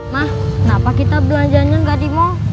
ma kenapa kita belanjaannya nggak di mall